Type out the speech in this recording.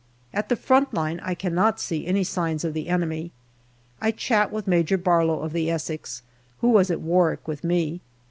At the front line I cannot see any signs of the enemy. I chat with Major Barlow of the Essex, who was at Warwick with me.